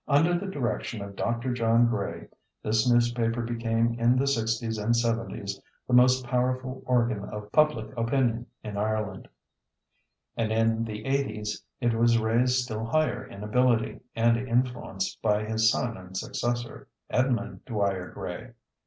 Under the direction of Dr. John Gray this newspaper became in the sixties and seventies the most powerful organ of public opinion in Ireland; and in the eighties it was raised still higher in ability and influence by his son and successor, Edmund Dwyer Gray.